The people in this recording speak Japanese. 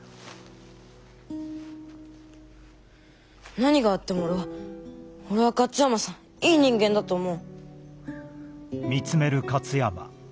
何があっても俺は俺は勝山さんいい人間だと思う！